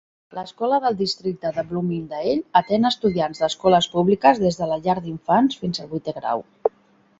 L"escola del districte de Bloomingdale atén estudiants d'escoles públiques des de la llar d'infants fins al vuitè grau.